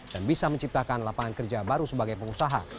dan bisa menciptakan lapangan kerja baru sebagai pengusaha